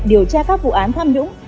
điều tra các vụ an tham nhũng